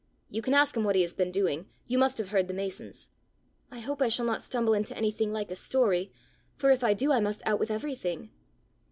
You can ask him what he has been doing: you must have heard the masons!" "I hope I shall not stumble into anything like a story, for if I do I must out with everything!"